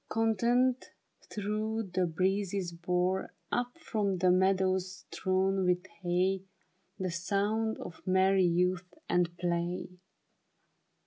Contented, though the breezes bore Up from the meadows strown with hay, The sound of merry youth at play.